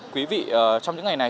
quý vị trong những ngày này